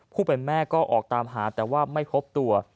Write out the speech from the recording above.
ผู้เป็นแม่ก็ออกตามหาแต่ว่าไม่พบตัว